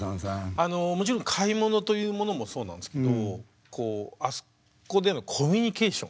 あのもちろん買い物というものもそうなんですけどこうあそこでのコミュニケーション。